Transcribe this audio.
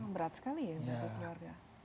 berat sekali ya bagi keluarga